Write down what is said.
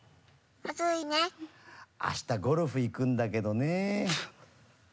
明日ゴルフ行くんだけどね。